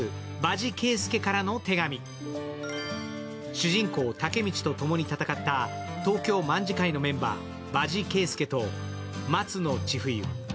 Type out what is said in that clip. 主人公・タケミチとともに戦った東京卍會のメンバー・場地圭介と松野千冬。